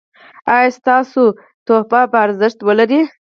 ایا ستاسو ډالۍ به ارزښت ولري؟